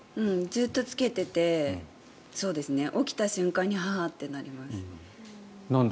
ずっとつけてて起きた瞬間にはあってなります。